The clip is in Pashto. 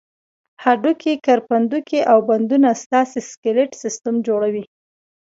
هډوکي، کرپندوکي او بندونه ستاسې سکلېټ سیستم جوړوي.